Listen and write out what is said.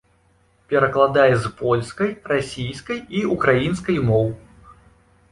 Перакладае з польскай, расійскай і ўкраінскай моў.